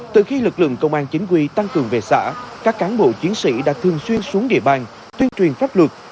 từ khi lực lượng công an chính quy tăng cường về xã các cán bộ chiến sĩ đã thường xuyên xuống địa bàn tuyên truyền pháp luật